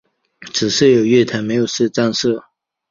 只设有月台而没有站舍。